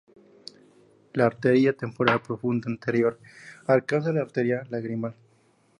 La arteria temporal profunda anterior alcanza a la arteria lagrimal.